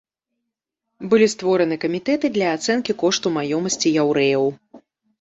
Былі створаны камітэты для ацэнкі кошту маёмасці яўрэяў.